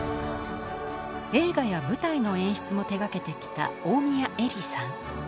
映画や舞台の演出も手がけてきた大宮エリーさん。